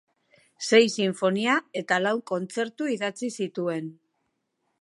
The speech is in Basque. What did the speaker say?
Sei sinfonia eta lau kontzertu idatzi zituen.